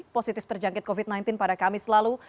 positif terjangkit covid sembilan belas pada kamis lalu